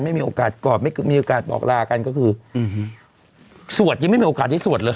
ไม่มีโอกาสกอดไม่มีโอกาสบอกลากันก็คือสวดยังไม่มีโอกาสได้สวดเลย